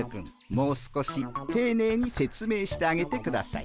もう少していねいに説明してあげてください。